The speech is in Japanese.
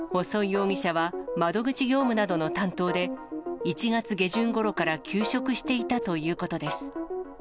細井容疑者は、窓口業務などの担当で、１月下旬ごろから休職していたということです。